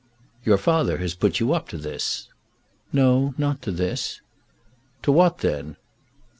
"Your father has put you up to this." "No; not to this." "To what then?"